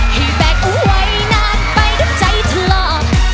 ให้แบกไว้นานไปด้วยใจทะเลา